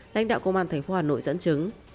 lãnh đạo công an tp hà nội dẫn chứng